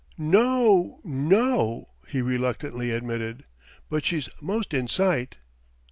"No o, no o," he reluctantly admitted, "but she's most in sight."